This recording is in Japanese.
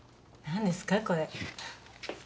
何ですかこれ？